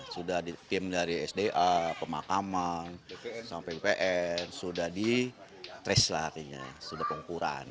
sudah di tim dari sda pemakaman sampai bpn sudah di trace lah artinya sudah pengukuran